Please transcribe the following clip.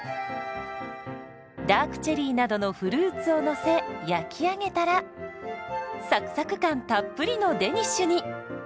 ダークチェリーなどのフルーツをのせ焼き上げたらサクサク感たっぷりのデニッシュに。